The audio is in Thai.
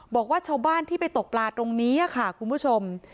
บอกว่าชาวบ้านที่ไปตกปลาตรงนี้ค่ะคุณผู้ชม